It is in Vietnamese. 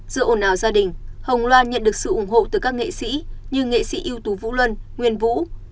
giữa ồn ào gia đình hồng loan nhận được sự ủng hộ từ các nghệ sĩ như nghệ sĩ ưu tù vũ luân nguyên vũ